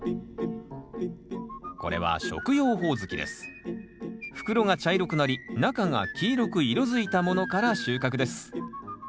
これは袋が茶色くなり中が黄色く色づいたものから収穫です